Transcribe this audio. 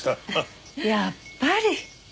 やっぱり。